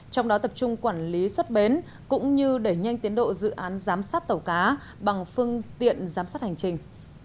trong đó tập trung quản lý xuất bến cũng như đẩy nhanh tiến độ dự án giám sát tàu cá bằng phương tiện giám sát hành trình